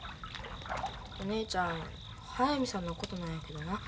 お姉ちゃん速水さんのことなんやけどな。